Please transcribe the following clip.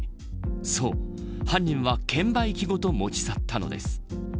そう、犯人は券売機ごと持ち去ったのです。